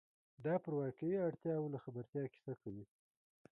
دا پر واقعي اړتیاوو له خبرتیا کیسه کوي.